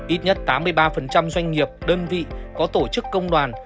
ít nhất tám mươi ba doanh nghiệp đơn vị có tổ chức công đoàn